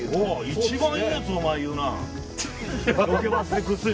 一番いいやつお前言うな。